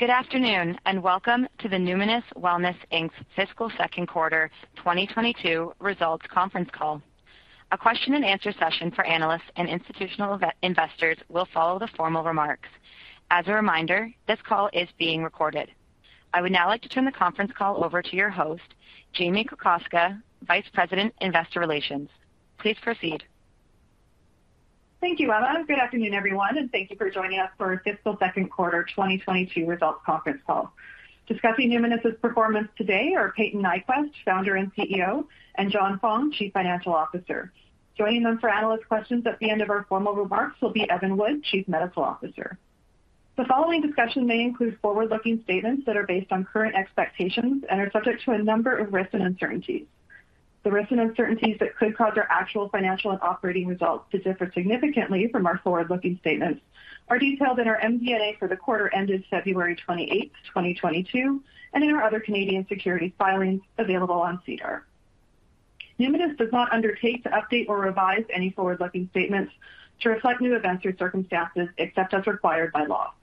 Good afternoon, and welcome to the Numinus Wellness Inc.'s fiscal second quarter 2022 results conference call. A question and answer session for analysts and institutional investors will follow the formal remarks. As a reminder, this call is being recorded. I would now like to turn the conference call over to your host, Jamie Kokoska, Vice President, Investor Relations. Please proceed. Thank you, Emma. Good afternoon, everyone, and thank you for joining us for our fiscal second quarter 2022 results conference call. Discussing Numinus's performance today are Payton Nyquvest, Founder and CEO, and John Fong, Chief Financial Officer. Joining them for analyst questions at the end of our formal remarks will be Evan Wood, Chief Medical Officer. The following discussion may include forward-looking statements that are based on current expectations and are subject to a number of risks and uncertainties. The risks and uncertainties that could cause our actual financial and operating results to differ significantly from our forward-looking statements are detailed in our MD&A for the quarter ended February 28, 2022 and in our other Canadian securities filings available on SEDAR. Numinus does not undertake to update or revise any forward-looking statements to reflect new events or circumstances except as required by law.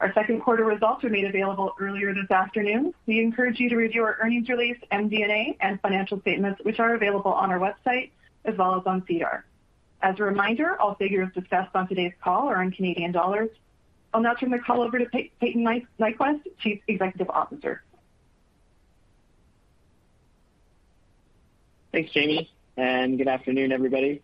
Our second quarter results were made available earlier this afternoon. We encourage you to review our earnings release, MD&A and financial statements, which are available on our website as well as on SEDAR. As a reminder, all figures discussed on today's call are in Canadian dollars. I'll now turn the call over to Payton Nyquvest, Chief Executive Officer. Thanks, Jamie, and good afternoon, everybody.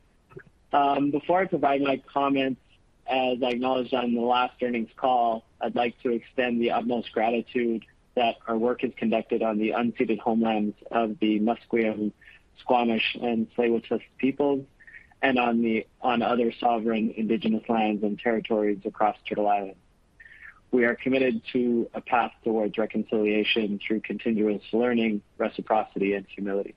Before I provide my comments, as I acknowledged on the last earnings call, I'd like to extend the utmost gratitude that our work is conducted on the unceded homelands of the Musqueam, Squamish, and Tsleil-Waututh peoples and on other sovereign indigenous lands and territories across Turtle Island. We are committed to a path towards reconciliation through continuous learning, reciprocity and humility.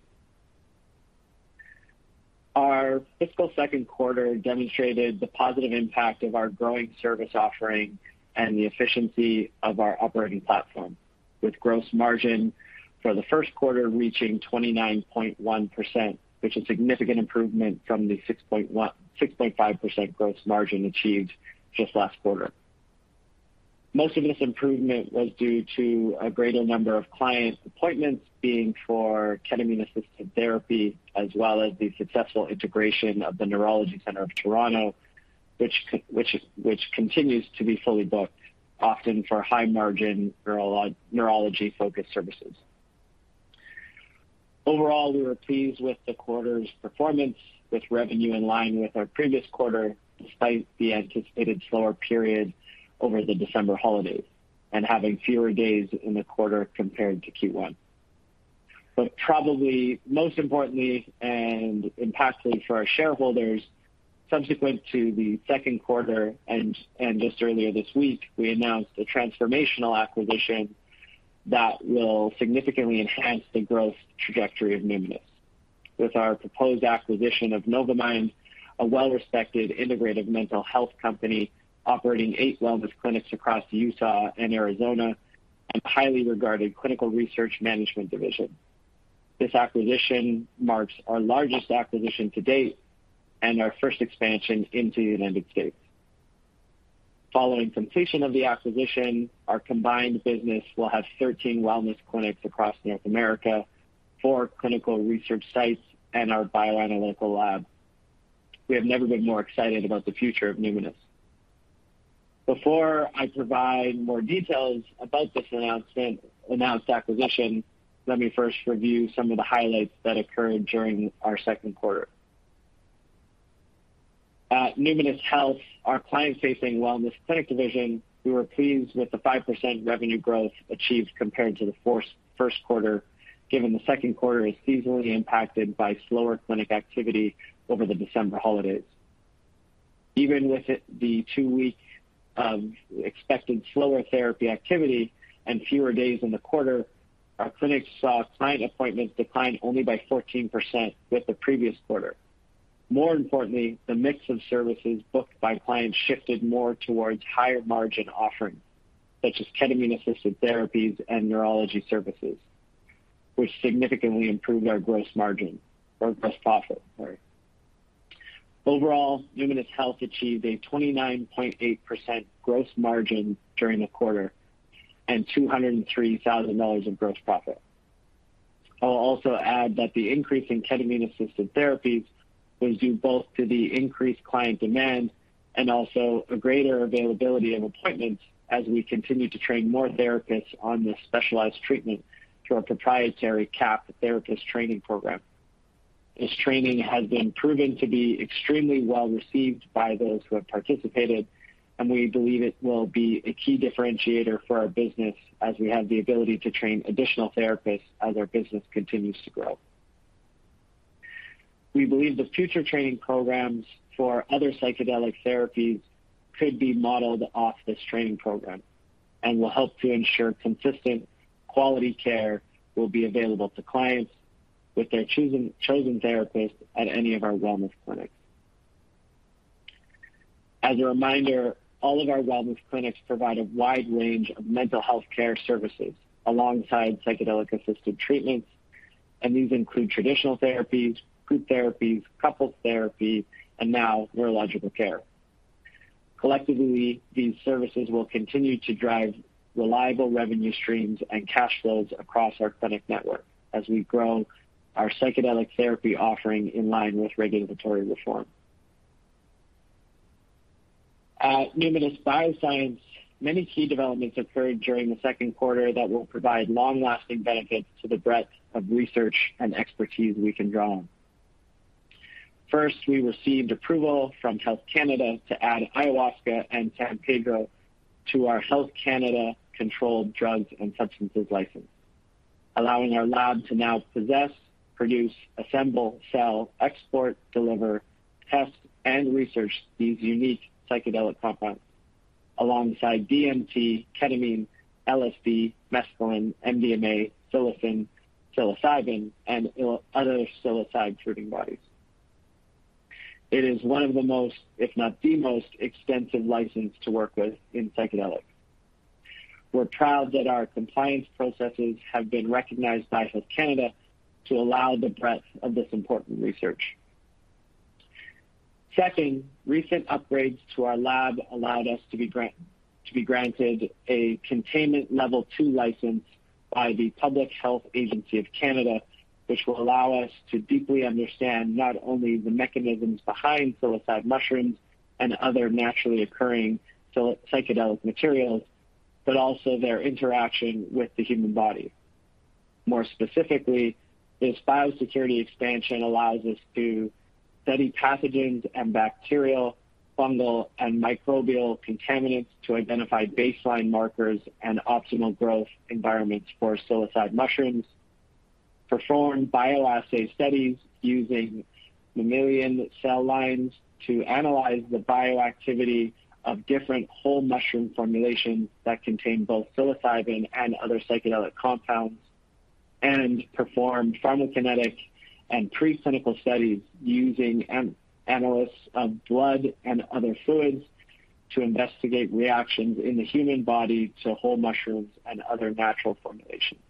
Our fiscal second quarter demonstrated the positive impact of our growing service offering and the efficiency of our operating platform, with gross margin for the first quarter reaching 29.1%, which is a significant improvement from the 6.5% gross margin achieved just last quarter. Most of this improvement was due to a greater number of clients' appointments being for ketamine-assisted therapy, as well as the successful integration of the Neurology Centre of Toronto, which continues to be fully booked, often for high-margin neurology-focused services. Overall, we were pleased with the quarter's performance, with revenue in line with our previous quarter, despite the anticipated slower period over the December holidays and having fewer days in the quarter compared to Q1. Probably most importantly and impactfully for our shareholders, subsequent to the second quarter and just earlier this week, we announced a transformational acquisition that will significantly enhance the growth trajectory of Numinus. With our proposed acquisition of Novamind, a well-respected integrated mental health company operating eight wellness clinics across Utah and Arizona, and highly regarded clinical research management division. This acquisition marks our largest acquisition to date and our first expansion into the United States. Following completion of the acquisition, our combined business will have 13 wellness clinics across North America, four clinical research sites and our bioanalytical lab. We have never been more excited about the future of Numinus. Before I provide more details about this announced acquisition, let me first review some of the highlights that occurred during our second quarter. At Numinus Health, our client-facing wellness clinic division, we were pleased with the 5% revenue growth achieved compared to the first quarter, given the second quarter is seasonally impacted by slower clinic activity over the December holidays. Even with it, the two-week expected slower therapy activity and fewer days in the quarter, our clinics saw client appointments decline only by 14% with the previous quarter. More importantly, the mix of services booked by clients shifted more towards higher-margin offerings such as ketamine-assisted therapies and neurology services, which significantly improved our gross margin or gross profit, sorry. Overall, Numinus Health achieved a 29.8% gross margin during the quarter and 203,000 dollars of gross profit. I'll also add that the increase in ketamine-assisted therapies was due both to the increased client demand and also a greater availability of appointments as we continue to train more therapists on this specialized treatment through our proprietary KAP therapist training program. This training has been proven to be extremely well received by those who have participated, and we believe it will be a key differentiator for our business as we have the ability to train additional therapists as our business continues to grow. We believe the future training programs for other psychedelic therapies could be modeled off this training program and will help to ensure consistent quality care will be available to clients with their chosen therapist at any of our wellness clinics. As a reminder, all of our wellness clinics provide a wide range of mental health care services alongside psychedelic-assisted treatments. These include traditional therapies, group therapies, couples therapy, and now neurological care. Collectively, these services will continue to drive reliable revenue streams and cash flows across our clinic network as we grow our psychedelic therapy offering in line with regulatory reform. At Numinus Bioscience, many key developments occurred during the second quarter that will provide long-lasting benefits to the breadth of research and expertise we can draw on. First, we received approval from Health Canada to add ayahuasca and San Pedro to our Health Canada Controlled Drugs and Substances License, allowing our lab to now possess, produce, assemble, sell, export, deliver, test, and research these unique psychedelic compounds alongside DMT, ketamine, LSD, mescaline, MDMA, psilocin, psilocybin, and other psilocybin-producing bodies. It is one of the most, if not the most extensive license to work with in psychedelics. We're proud that our compliance processes have been recognized by Health Canada to allow the breadth of this important research. Second, recent upgrades to our lab allowed us to be granted a Containment Level two license by the Public Health Agency of Canada, which will allow us to deeply understand not only the mechanisms behind psilocybin mushrooms and other naturally occurring psychedelic materials, but also their interaction with the human body. More specifically, this biosafety expansion allows us to study pathogens and bacterial, fungal, and microbial contaminants to identify baseline markers and optimal growth environments for Psilocybin mushrooms, perform bioassay studies using mammalian cell lines to analyze the bioactivity of different whole mushroom formulations that contain both Psilocybin and other psychedelic compounds, and perform pharmacokinetic and preclinical studies using analysis of blood and other fluids to investigate reactions in the human body to whole mushrooms and other natural formulations.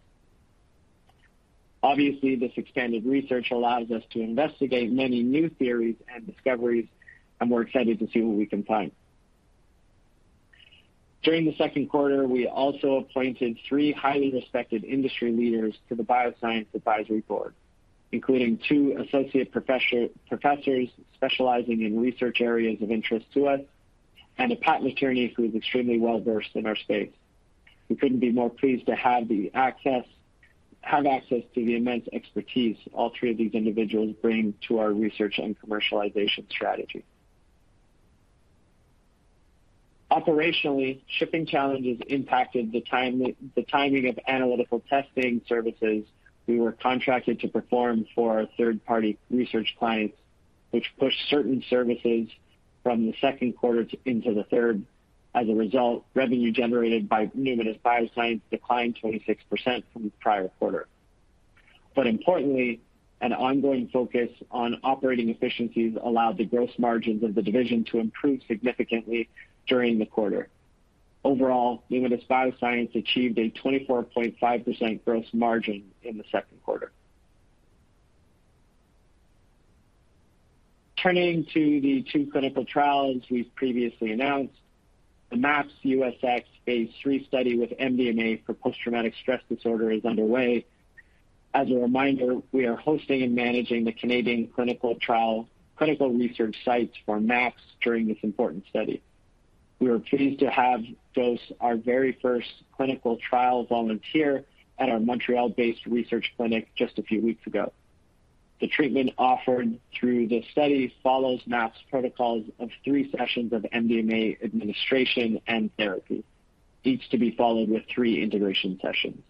Obviously, this expanded research allows us to investigate many new theories and discoveries, and we're excited to see what we can find. During the second quarter, we also appointed three highly respected industry leaders to the Bioscience Advisory Board, including two associate professors specializing in research areas of interest to us and a patent attorney who is extremely well-versed in our space. We couldn't be more pleased to have access to the immense expertise all three of these individuals bring to our research and commercialization strategy. Operationally, shipping challenges impacted the timing of analytical testing services we were contracted to perform for our third-party research clients, which pushed certain services from the second quarter into the third. As a result, revenue generated by Numinus Bioscience declined 26% from the prior quarter. Importantly, an ongoing focus on operating efficiencies allowed the gross margins of the division to improve significantly during the quarter. Overall, Numinus Bioscience achieved a 24.5% gross margin in the second quarter. Turning to the two clinical trials we've previously announced, the MAPS U.S. phase III study with MDMA for post-traumatic stress disorder is underway. As a reminder, we are hosting and managing the Canadian clinical trial clinical research sites for MAPS during this important study. We were pleased to have dosed our very first clinical trial volunteer at our Montreal-based research clinic just a few weeks ago. The treatment offered through the study follows MAPS protocols of three sessions of MDMA administration and therapy, each to be followed with three integration sessions.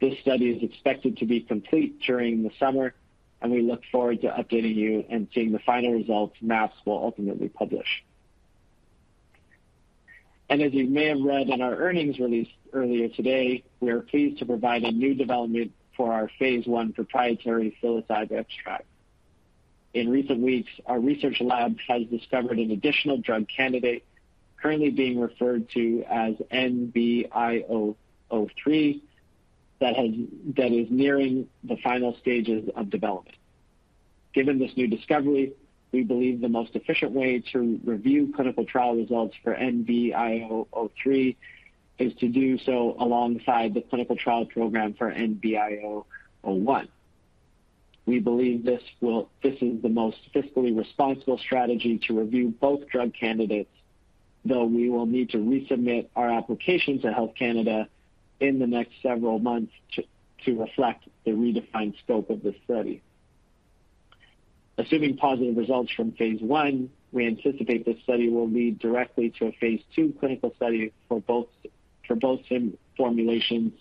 This study is expected to be complete during the summer, and we look forward to updating you and seeing the final results MAPS will ultimately publish. As you may have read in our earnings release earlier today, we are pleased to provide a new development for our phase I proprietary psilocybin extract. In recent weeks, our research lab has discovered an additional drug candidate currently being referred to as NBIO-03 that is nearing the final stages of development. Given this new discovery, we believe the most efficient way to review clinical trial results for NBIO-03 is to do so alongside the clinical trial program for NBIO-01. We believe this is the most fiscally responsible strategy to review both drug candidates, though we will need to resubmit our application to Health Canada in the next several months to reflect the redefined scope of this study. Assuming positive results from phase I, we anticipate this study will lead directly to a phase II clinical study for both formulations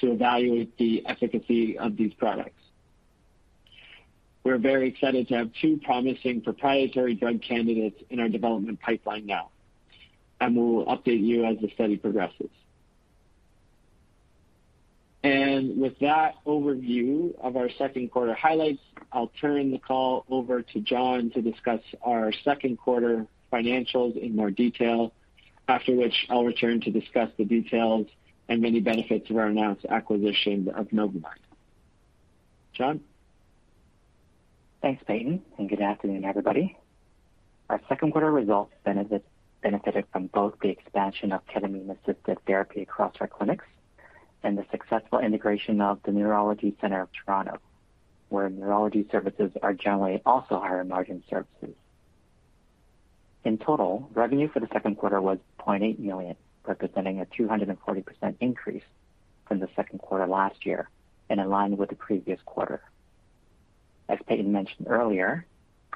to evaluate the efficacy of these products. We're very excited to have two promising proprietary drug candidates in our development pipeline now, and we will update you as the study progresses. With that overview of our second quarter highlights, I'll turn the call over to John to discuss our second quarter financials in more detail. After which I'll return to discuss the details and many benefits of our announced acquisition of Novamind. John. Thanks, Payton, and good afternoon, everybody. Our second quarter results benefited from both the expansion of ketamine-assisted therapy across our clinics and the successful integration of the Neurology Centre of Toronto, where neurology services are generally also higher margin services. In total, revenue for the second quarter was 0.8 million, representing a 240% increase from the second quarter last year and in line with the previous quarter. As Payton mentioned earlier,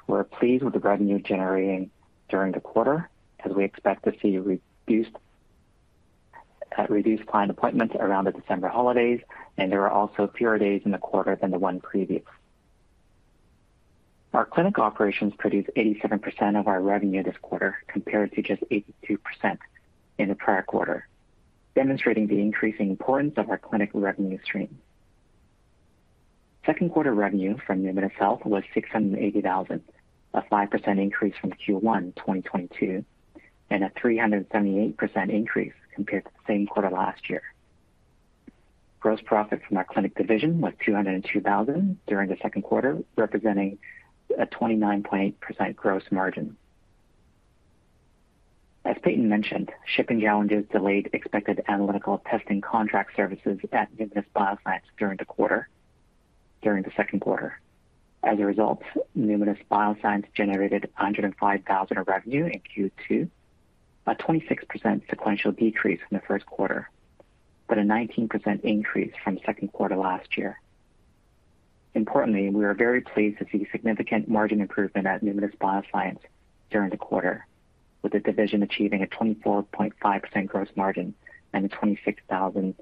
we're pleased with the revenue generating during the quarter as we expect to see reduced client appointments around the December holidays, and there are also fewer days in the quarter than the one previous. Our clinic operations produced 87% of our revenue this quarter compared to just 82% in the prior quarter, demonstrating the increasing importance of our clinic revenue stream. Second quarter revenue from Numinus Health was 680 thousand, a 5% increase from Q1 2022, and a 378% increase compared to the same quarter last year. Gross profit from our clinic division was 202 thousand during the second quarter, representing a 29.8% gross margin. As Payton mentioned, shipping challenges delayed expected analytical testing contract services at Numinus Bioscience during the second quarter. As a result, Numinus Bioscience generated 105 thousand of revenue in Q2, a 26% sequential decrease from the first quarter, but a 19% increase from the second quarter last year. Importantly, we are very pleased to see significant margin improvement at Numinus Bioscience during the quarter, with the division achieving a 24.5% gross margin and 26 thousand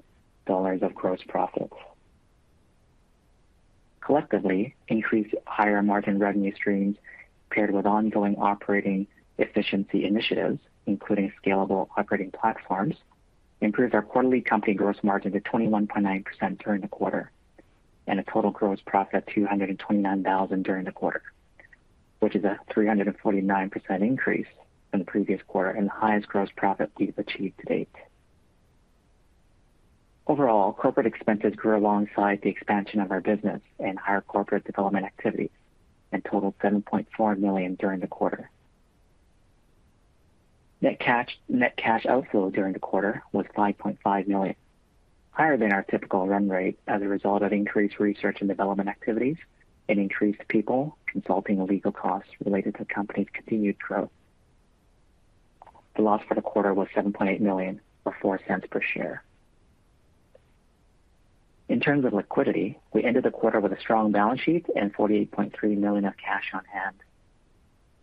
dollars of gross profit. Collectively, increased higher margin revenue streams paired with ongoing operating efficiency initiatives, including scalable operating platforms, improved our quarterly company gross margin to 21.9% during the quarter, and a total gross profit of 229,000 during the quarter. Which is a 349% increase from the previous quarter and the highest gross profit we've achieved to date. Overall, corporate expenses grew alongside the expansion of our business and higher corporate development activities and totaled 7.4 million during the quarter. Net cash outflow during the quarter was 5.5 million, higher than our typical run rate as a result of increased research and development activities and increased people, consulting and legal costs related to the company's continued growth. The loss for the quarter was 7.8 million, or 0.04 per share. In terms of liquidity, we ended the quarter with a strong balance sheet and 48.3 million of cash on hand.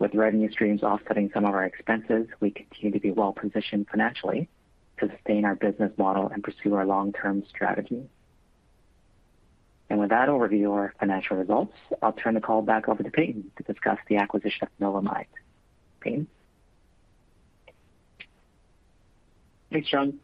With revenue streams offsetting some of our expenses, we continue to be well-positioned financially to sustain our business model and pursue our long-term strategy. With that overview of our financial results, I'll turn the call back over to Payton to discuss the acquisition of Novamind. Payton. Thanks, John.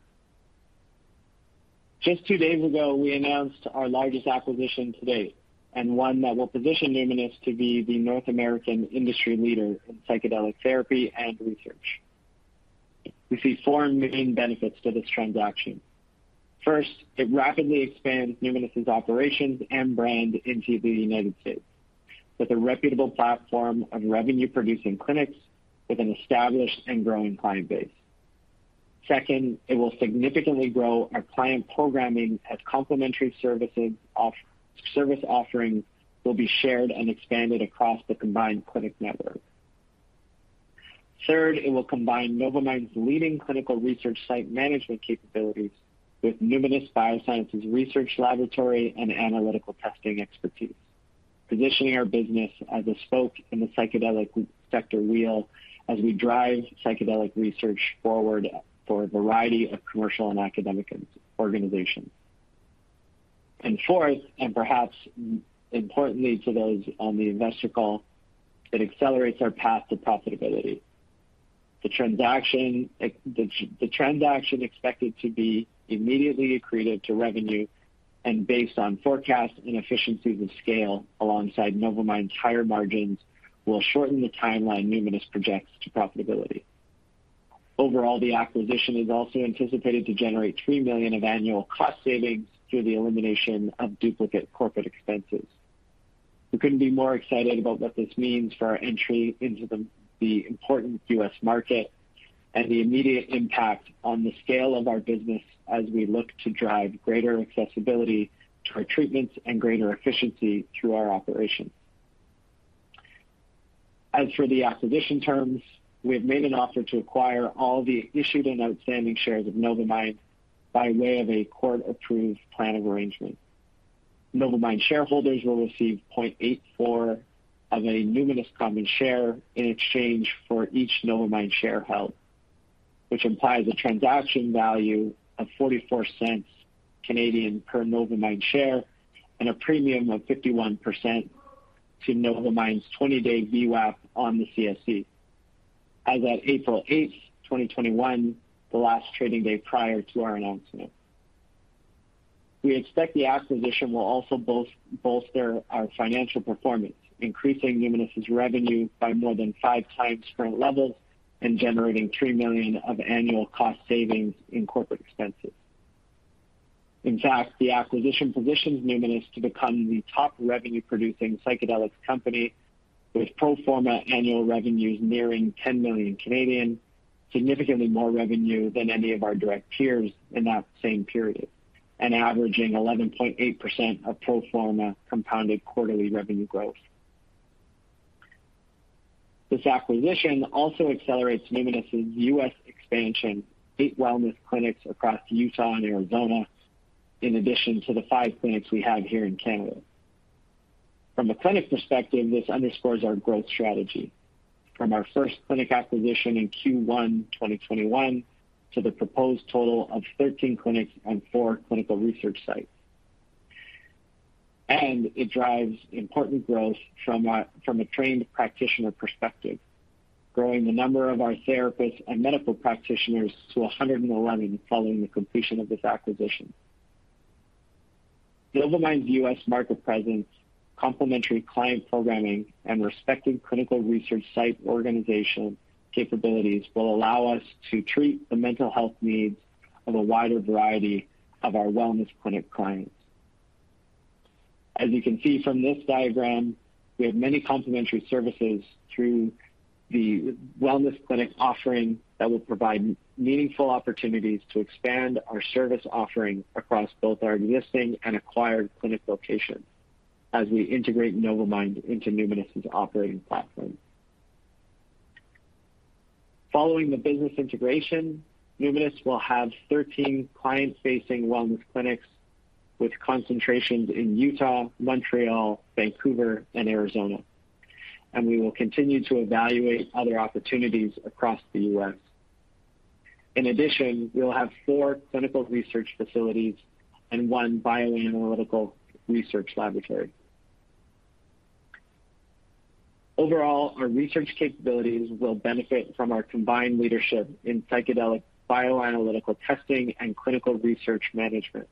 Just two days ago, we announced our largest acquisition to date and one that will position Numinus to be the North American industry leader in psychedelic therapy and research. We see four main benefits to this transaction. First, it rapidly expands Numinus' operations and brand into the United States with a reputable platform of revenue-producing clinics with an established and growing client base. Second, it will significantly grow our client programming as complementary service offerings will be shared and expanded across the combined clinic network. Third, it will combine Novamind's leading clinical research site management capabilities with Numinus Bioscience's research laboratory and analytical testing expertise, positioning our business as a spoke in the psychedelic sector wheel as we drive psychedelic research forward for a variety of commercial and academic organizations. Fourth, and perhaps importantly to those on the investor call, it accelerates our path to profitability. The transaction expected to be immediately accretive to revenue and based on forecasts and economies of scale alongside Novamind's higher margins will shorten the timeline Numinus projects to profitability. Overall, the acquisition is also anticipated to generate 3 million of annual cost savings through the elimination of duplicate corporate expenses. We couldn't be more excited about what this means for our entry into the important U.S. market and the immediate impact on the scale of our business as we look to drive greater accessibility to our treatments and greater efficiency through our operations. As for the acquisition terms, we have made an offer to acquire all the issued and outstanding shares of Novamind by way of a court-approved plan of arrangement. Novamind shareholders will receive 0.84 of a Numinus common share in exchange for each Novamind share held, which implies a transaction value of 0.44 per Novamind share and a premium of 51% to Novamind's 20-day VWAP on the CSE. As at April 8, 2021, the last trading day prior to our announcement. We expect the acquisition will also bolster our financial performance, increasing Numinus' revenue by more than five times current levels and generating 3 million of annual cost savings in corporate expenses. In fact, the acquisition positions Numinus to become the top revenue-producing psychedelics company with pro forma annual revenues nearing 10 million, significantly more revenue than any of our direct peers in that same period, and averaging 11.8% of pro forma compounded quarterly revenue growth. This acquisition also accelerates Numinus' U.S. expansion to eight wellness clinics across Utah and Arizona, in addition to the five clinics we have here in Canada. From a clinic perspective, this underscores our growth strategy from our first clinic acquisition in Q1 2021 to the proposed total of 13 clinics and four clinical research sites. It drives important growth from a trained practitioner perspective, growing the number of our therapists and medical practitioners to 111 following the completion of this acquisition. Novamind's U.S. market presence, complementary client programming, and respective clinical research site organization capabilities will allow us to treat the mental health needs of a wider variety of our wellness clinic clients. As you can see from this diagram, we have many complementary services through the wellness clinic offering that will provide meaningful opportunities to expand our service offering across both our existing and acquired clinic locations as we integrate Novamind into Numinus' operating platform. Following the business integration, Numinus will have 13 client-facing wellness clinics with concentrations in Utah, Montreal, Vancouver and Arizona, and we will continue to evaluate other opportunities across the U.S. In addition, we will have four clinical research facilities and one bioanalytical research laboratory. Overall, our research capabilities will benefit from our combined leadership in psychedelic bioanalytical testing and clinical research management,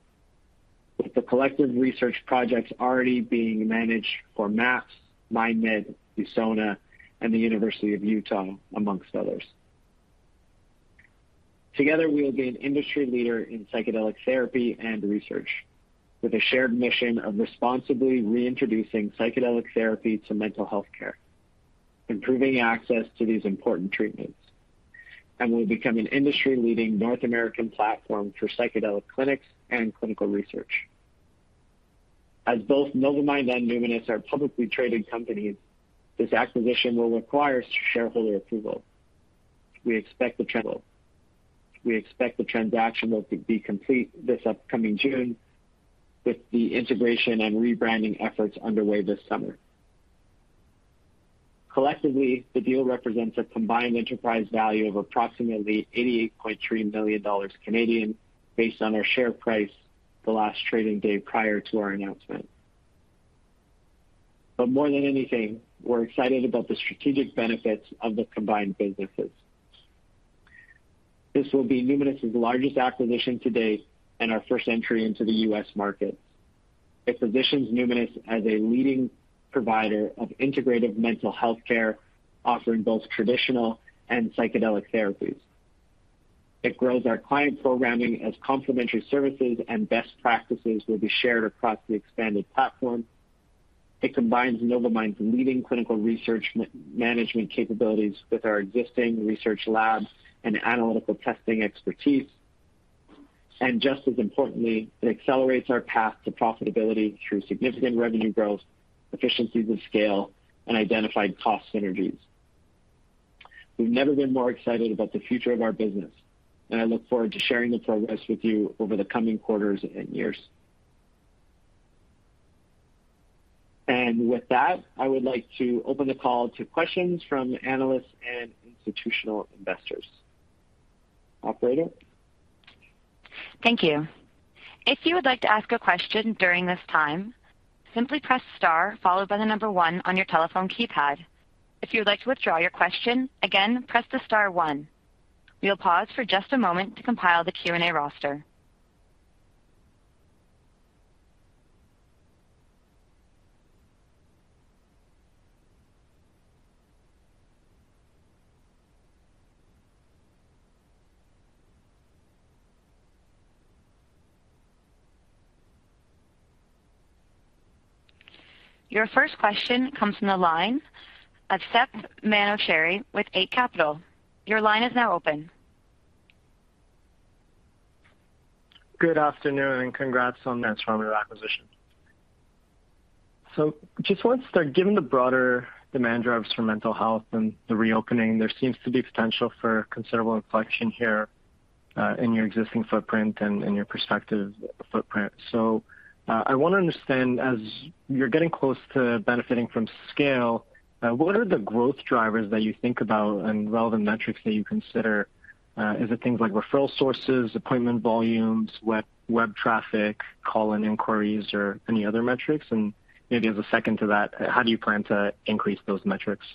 with the collective research projects already being managed for MAPS, MindMed, Usona, and the University of Utah, among others. Together, we will be an industry leader in psychedelic therapy and research, with a shared mission of responsibly reintroducing psychedelic therapy to mental health care, improving access to these important treatments, and we'll become an industry-leading North American platform for psychedelic clinics and clinical research. As both Novamind and Numinus are publicly traded companies, this acquisition will require shareholder approval. We expect the transaction will be complete this upcoming June, with the integration and rebranding efforts underway this summer. Collectively, the deal represents a combined enterprise value of approximately 88.3 million Canadian dollars based on our share price the last trading day prior to our announcement. More than anything, we're excited about the strategic benefits of the combined businesses. This will be Numinus' largest acquisition to date and our first entry into the U.S. market. It positions Numinus as a leading provider of integrated mental health care, offering both traditional and psychedelic therapies. It grows our client programming as complementary services and best practices will be shared across the expanded platform. It combines Novamind's leading clinical research management capabilities with our existing research labs and analytical testing expertise. Just as importantly, it accelerates our path to profitability through significant revenue growth, economies of scale, and identified cost synergies. We've never been more excited about the future of our business, and I look forward to sharing the progress with you over the coming quarters and years. With that, I would like to open the call to questions from analysts and institutional investors. Operator? Thank you. If you would like to ask a question during this time, simply press star followed by the number one on your telephone keypad. If you would like to withdraw your question, again, press the star one. We'll pause for just a moment to compile the Q&A roster. Your first question comes from the line of Sep Manochehry with Eight Capital. Your line is now open. Good afternoon, and congrats on the transformative acquisition. Just want to start, given the broader demand drivers for mental health and the reopening, there seems to be potential for considerable inflection here in your existing footprint and in your prospective footprint. I want to understand, as you're getting close to benefiting from scale, what are the growth drivers that you think about and relevant metrics that you consider? Is it things like referral sources, appointment volumes, web traffic, call-in inquiries or any other metrics? Maybe as a second to that, how do you plan to increase those metrics?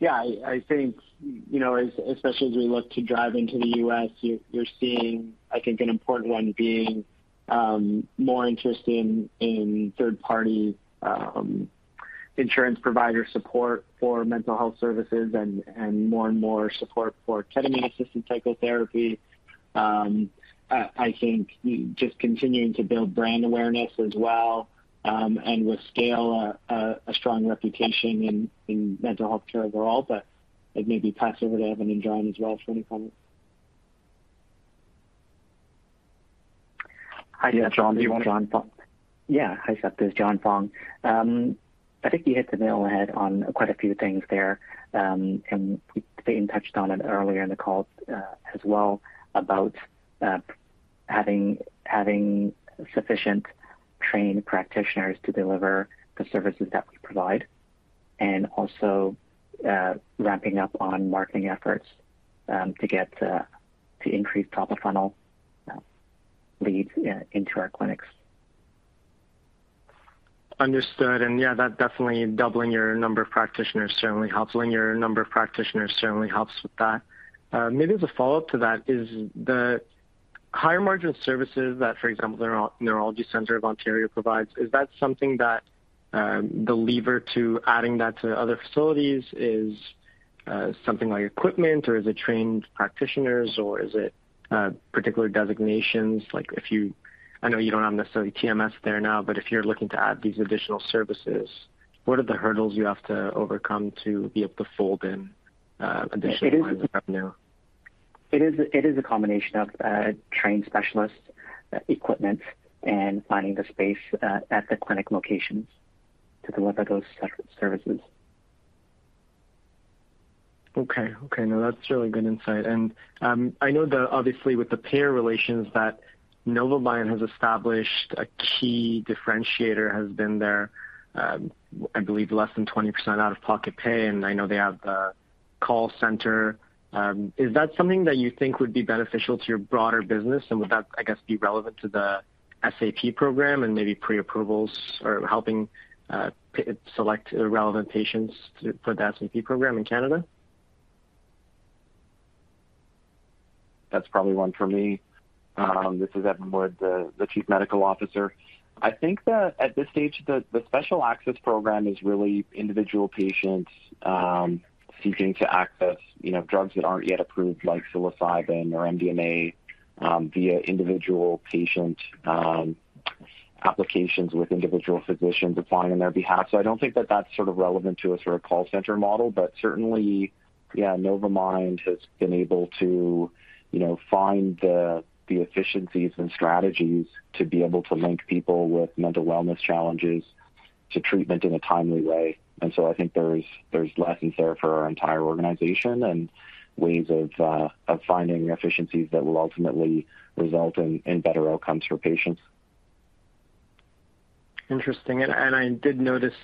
Yeah, I think, you know, especially as we look to driving to the U.S., you're seeing, I think, an important one being more interest in third-party insurance provider support for mental health services and more and more support for Ketamine-Assisted Psychotherapy. I think just continuing to build brand awareness as well, and with scale, a strong reputation in mental health care overall. I'd maybe pass over to Evan and John as well for any comments. Hi, this is John. Do you want- Yeah. Hi, Sep. This is John Fong. I think you hit the nail on the head on quite a few things there. And Payton touched on it earlier in the call as well about having sufficient trained practitioners to deliver the services that we provide and also ramping up on marketing efforts to get to increase top of funnel leads, yeah, into our clinics. Understood. Yeah, that definitely doubling your number of practitioners certainly helps. Linear number of practitioners certainly helps with that. Maybe as a follow-up to that is the higher margin services that, for example, the Neurology Centre of Toronto provides. Is that something that the lever to adding that to other facilities is something like equipment, or is it trained practitioners, or is it particular designations? Like if you, I know you don't have necessarily TMS there now, but if you're looking to add these additional services, what are the hurdles you have to overcome to be able to fold in additional lines of revenue? It is a combination of trained specialists, equipment, and finding the space at the clinic locations to deliver those separate services. Okay. No, that's really good insight. I know that obviously with the payer relations that Novamind has established, a key differentiator has been their, I believe less than 20% out-of-pocket pay, and I know they have the call center. Is that something that you think would be beneficial to your broader business? Would that, I guess, be relevant to the SAP program and maybe pre-approvals or helping pre-select relevant patients for the SAP program in Canada? That's probably one for me. This is Evan Wood, the Chief Medical Officer. I think that at this stage, the Special Access Program is really individual patients seeking to access, you know, drugs that aren't yet approved, like psilocybin or MDMA, via individual patient applications with individual physicians applying on their behalf. I don't think that that's sort of relevant to a sort of call center model. Certainly, yeah, Novamind has been able to, you know, find the efficiencies and strategies to be able to link people with mental wellness challenges to treatment in a timely way. I think there's lessons there for our entire organization and ways of finding efficiencies that will ultimately result in better outcomes for patients. Interesting. I did notice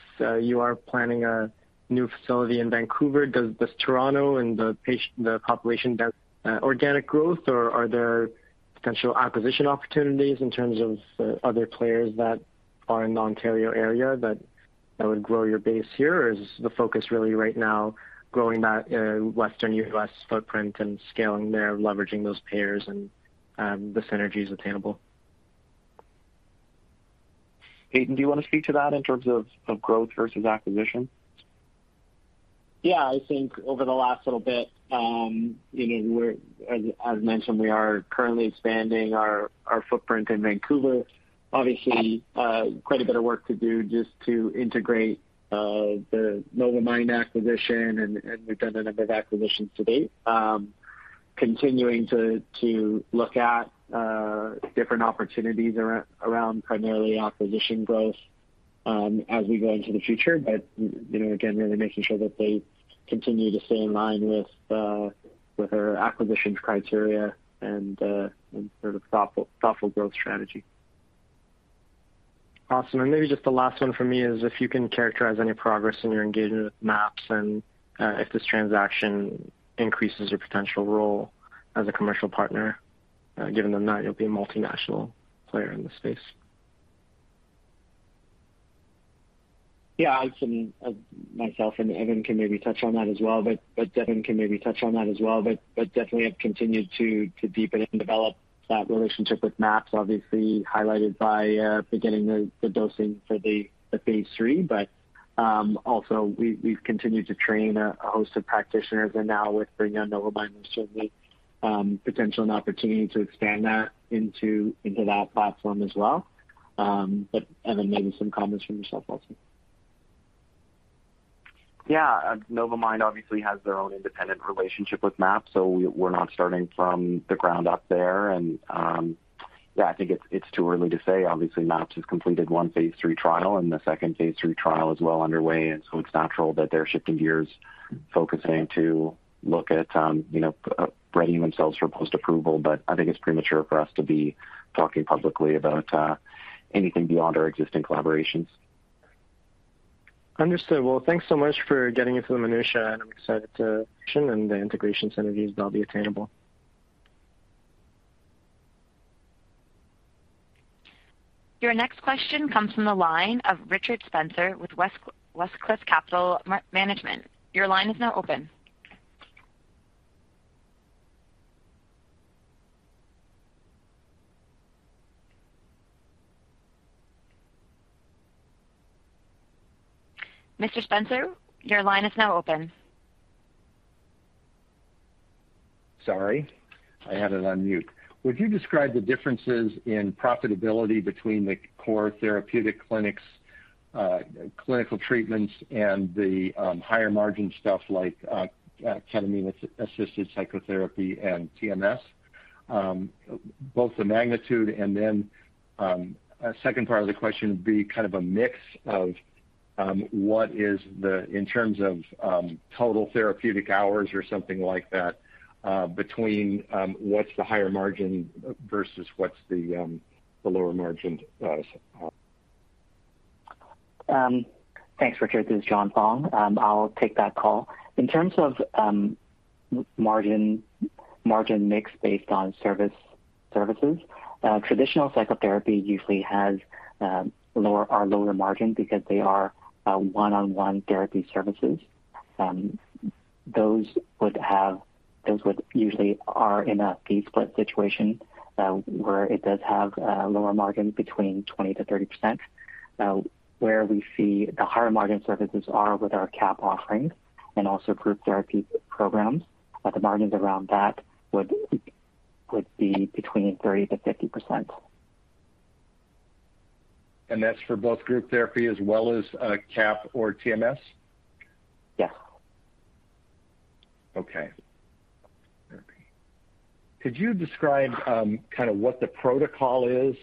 you are planning a new facility in Vancouver. Does Toronto and the patient population do organic growth, or are there potential acquisition opportunities in terms of other players that are in the Ontario area that would grow your base here? Or is the focus really right now growing that Western U.S. footprint and scaling there, leveraging those payers and the synergies attainable? Payton, do you want to speak to that in terms of growth versus acquisition? Yeah. I think over the last little bit, you know. As mentioned, we are currently expanding our footprint in Vancouver. Obviously, quite a bit of work to do just to integrate the Novamind acquisition and we've done a number of acquisitions to date. Continuing to look at different opportunities around primarily acquisition growth, as we go into the future. You know, again, really making sure that they continue to stay in line with our acquisitions criteria and sort of thoughtful growth strategy. Awesome. Maybe just the last one for me is if you can characterize any progress in your engagement with MAPS and if this transaction increases your potential role as a commercial partner, given that you'll be a multinational player in the space. Yeah. I can, myself and Evan, maybe touch on that as well, but Evan can maybe touch on that as well. We definitely have continued to deepen and develop that relationship with MAPS, obviously highlighted by beginning the dosing for the phase III. Also, we have continued to train a host of practitioners and now with bringing on Novamind will certainly potential and opportunity to expand that into that platform as well. Evan, maybe some comments from yourself also. Yeah. Novamind obviously has their own independent relationship with MAPS, so we're not starting from the ground up there. Yeah, I think it's too early to say. Obviously, MAPS has completed one phase III trial and the second phase III trial is well underway, so it's natural that they're shifting gears, focusing to look at you know readying themselves for post-approval. I think it's premature for us to be talking publicly about anything beyond our existing collaborations. Understood. Well, thanks so much for getting into the minutiae, and I'm excited about the acquisition and the integration synergies that'll be attainable. Your next question comes from the line of Richard Spencer with Westcliff Capital Management. Your line is now open. Mr. Spencer, your line is now open. Sorry, I had it on mute. Would you describe the differences in profitability between the core therapeutic clinics, clinical treatments and the higher margin stuff like ketamine-assisted psychotherapy and TMS? Both the magnitude and then a second part of the question would be kind of a mix of what is the in terms of total therapeutic hours or something like that between what's the higher margin versus what's the lower margin. Thanks, Richard. This is John Fong. I'll take that call. In terms of margin mix based on services, traditional psychotherapy usually has lower margin because they are one-on-one therapy services. Those would usually are in a fee split situation, where it does have lower margin between 20%-30%. Where we see the higher margin services are with our KAP offerings and also group therapy programs. The margins around that would be between 30%-50%. That's for both group therapy as well as, KAP or TMS? Yeah. Okay. Could you describe kind of what the protocol is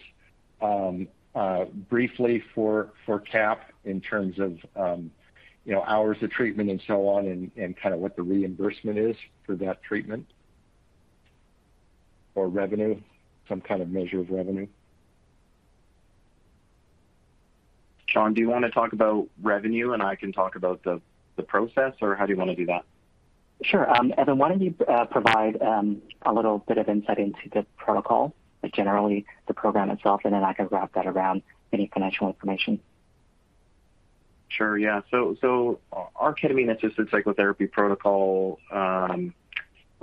briefly for KAP in terms of you know hours of treatment and so on and kind of what the reimbursement is for that treatment? Or revenue some kind of measure of revenue. John, do you want to talk about revenue, and I can talk about the process, or how do you want to do that? Sure. Evan, why don't you provide a little bit of insight into the protocol, like generally the program itself, and then I can wrap that around any financial information. Sure. Yeah. Our ketamine-assisted psychotherapy protocol,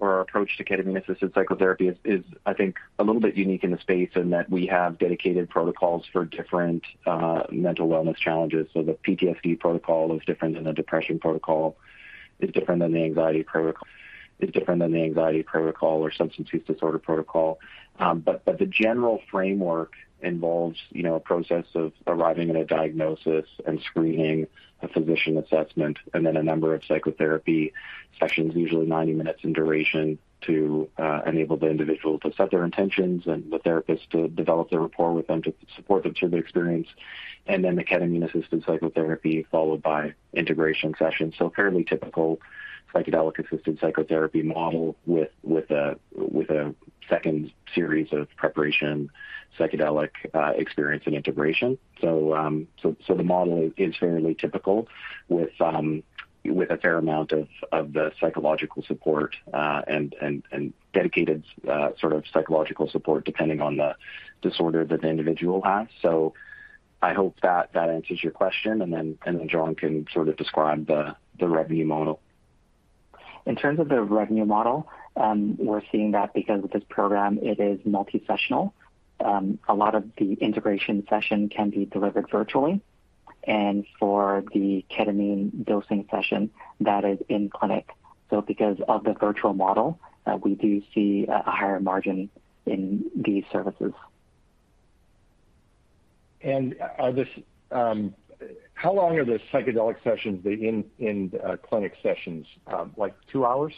or our approach to ketamine-assisted psychotherapy is, I think a little bit unique in the space in that we have dedicated protocols for different mental wellness challenges. The PTSD protocol is different than the depression protocol, different than the anxiety protocol or substance use disorder protocol. The general framework involves, you know, a process of arriving at a diagnosis and screening, a physician assessment, and then a number of psychotherapy sessions, usually 90 minutes in duration, to enable the individual to set their intentions and the therapist to develop their rapport with them to support the treatment experience, and then the ketamine-assisted psychotherapy followed by integration sessions. Fairly typical psychedelic-assisted psychotherapy model with a second series of preparation, psychedelic experience and integration. The model is fairly typical with a fair amount of the psychological support, and dedicated sort of psychological support depending on the disorder that the individual has. I hope that that answers your question. Then John can sort of describe the revenue model. In terms of the revenue model, we're seeing that because of this program, it is multi-sessional. A lot of the integration session can be delivered virtually. For the ketamine dosing session, that is in clinic. Because of the virtual model, we do see a higher margin in these services. How long are the psychedelic sessions, the in-clinic sessions? Like two hours?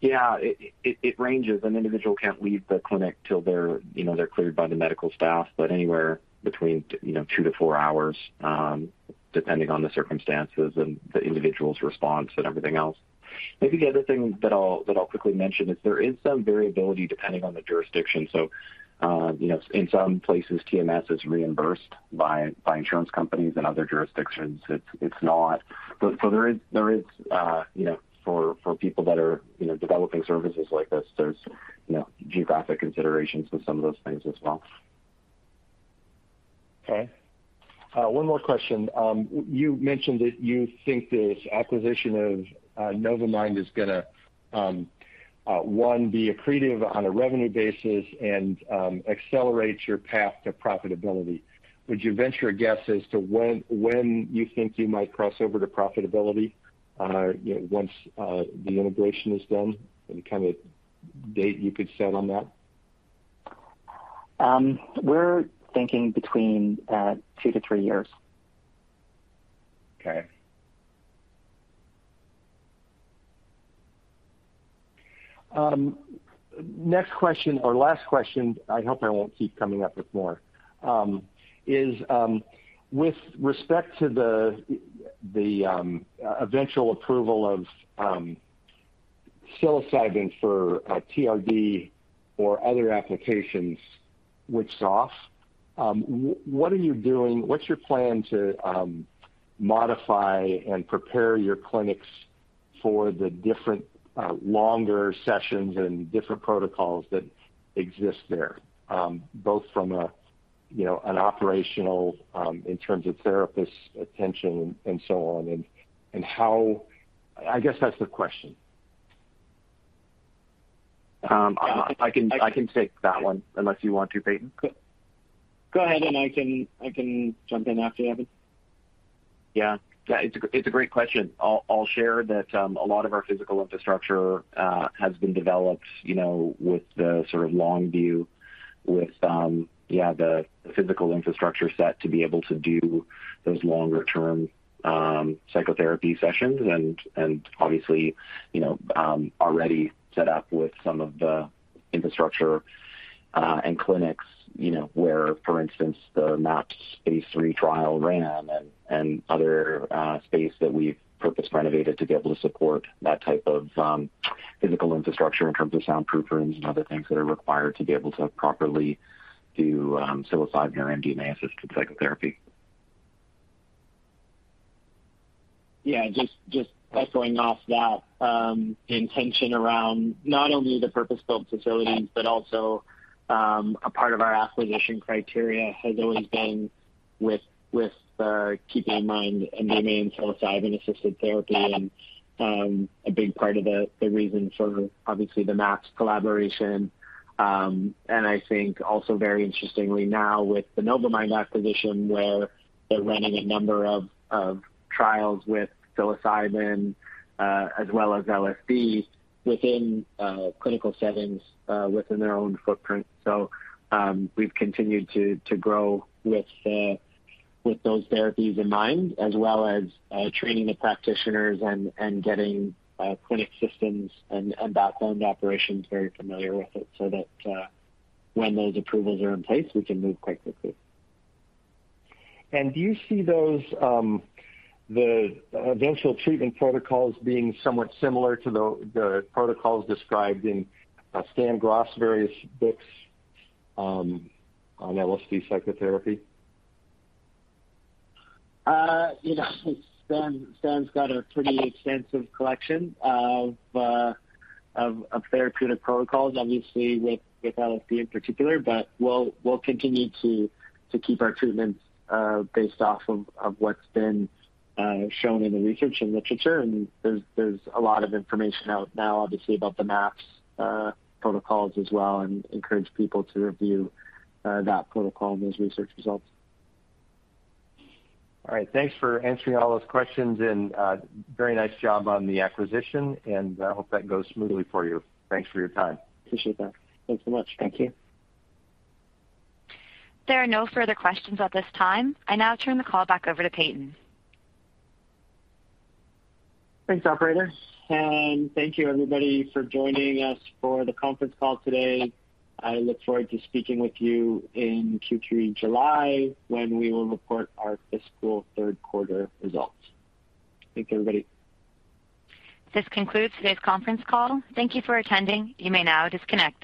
Yeah. It ranges. An individual can't leave the clinic till they're, you know, cleared by the medical staff. Anywhere between, you know, two-four hours, depending on the circumstances and the individual's response and everything else. I think the other thing that I'll quickly mention is there is some variability depending on the jurisdiction. You know, in some places, TMS is reimbursed by insurance companies. In other jurisdictions, it's not. There is, you know, for people that are, you know, developing services like this, there's, you know, geographic considerations with some of those things as well. Okay. One more question. You mentioned that you think this acquisition of Novamind is gonna be accretive on a revenue basis and accelerate your path to profitability. Would you venture a guess as to when you think you might cross over to profitability, you know, once the integration is done and kind of date you could set on that? We're thinking between 2-3 years. Okay. Next question or last question, I hope I won't keep coming up with more, is with respect to the eventual approval of Psilocybin for TRD or other applications, which is off, what's your plan to modify and prepare your clinics For the different longer sessions and different protocols that exist there, both from a, you know, an operational in terms of therapist attention and so on, and how. I guess that's the question. I can take that one unless you want to, Payton. Go ahead, I can jump in after you, Evan. It's a great question. I'll share that a lot of our physical infrastructure has been developed, you know, with the sort of long view with the physical infrastructure set to be able to do those longer-term psychotherapy sessions and obviously, you know, already set up with some of the infrastructure and clinics, you know, where, for instance, the MAPS phase III trial ran and other space that we've purpose renovated to be able to support that type of physical infrastructure in terms of soundproof rooms and other things that are required to be able to properly do psilocybin or MDMA-assisted psychotherapy. Yeah. Just echoing off that, intention around not only the purpose-built facilities but also, a part of our acquisition criteria has always been with, keeping in mind MDMA and psilocybin-assisted therapy and, a big part of the reason for obviously the MAPS collaboration. I think also very interestingly now with the Novamind acquisition where they're running a number of trials with psilocybin, as well as LSD within clinical settings within their own footprint. We've continued to grow with those therapies in mind as well as training the practitioners and getting clinic systems and back-end operations very familiar with it so that when those approvals are in place, we can move quite quickly. Do you see those, the eventual treatment protocols being somewhat similar to the protocols described in Stan Grof's various books on LSD psychotherapy? You know Stan's got a pretty extensive collection of therapeutic protocols obviously with LSD in particular. But we'll continue to keep our treatments based off of what's been shown in the research and literature. There's a lot of information out now obviously about the MAPS protocols as well, and we encourage people to review that protocol and those research results. All right. Thanks for answering all those questions, and, very nice job on the acquisition, and I hope that goes smoothly for you. Thanks for your time. Appreciate that. Thanks so much. Thank you. There are no further questions at this time. I now turn the call back over to Payton. Thanks, operator. Thank you everybody for joining us for the conference call today. I look forward to speaking with you in Q3 July when we will report our fiscal third quarter results. Thanks, everybody. This concludes today's conference call. Thank you for attending. You may now disconnect.